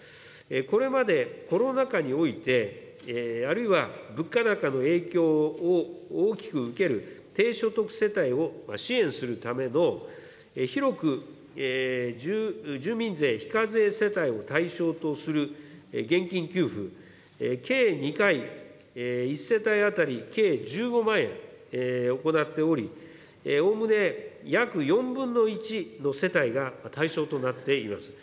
これまでコロナ禍において、あるいは物価高の影響を大きく受ける低所得世帯を支援するための、広く住民税非課税世帯を対象とする現金給付、計２回、２１世帯当たり計１５万円、行っており、おおむね約４分の１の世帯が対象となっています。